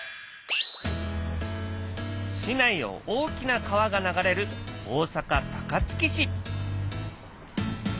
市内を大きな川が流れる大阪・高槻市。